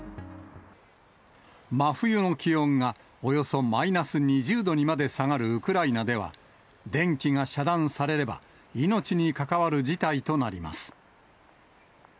真冬の気温がおよそマイナス２０度にまで下がるウクライナでは、電気が遮断されれば、命に関わる事態となります。